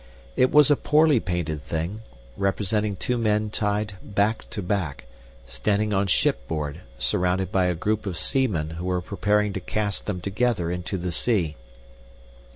It was a poorly painted thing, representing two men tied back to back, standing on shipboard, surrounded by a group of seamen who were preparing to cast them together into the sea.